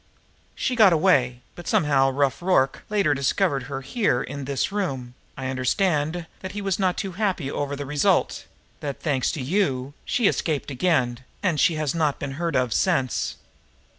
She got away; but somehow Rough Rorke later discovered her here in this room, I understand that he was not happy over the result; that, thanks to you, she escaped again, and has not been heard of since."